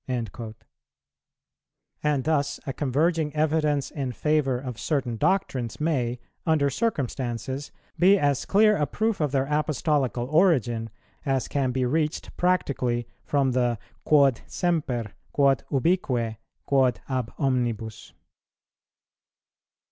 "[123:1] And thus a converging evidence in favour of certain doctrines may, under circumstances, be as clear a proof of their Apostolical origin as can be reached practically from the Quod semper, quod ubique, quod ab omnibus.